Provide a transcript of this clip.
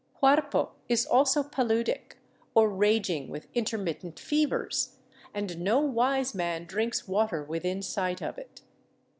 . Huarpo is also paludic, or raging with intermittent fevers, and no wise man drinks water within sight of it.